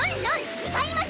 違います！